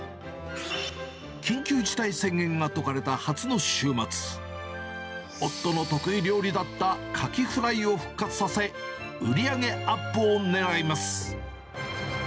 緊急事態宣言が解かれた初の週末、夫の得意料理だったカキフライを復活させ、売り上げアップを狙います。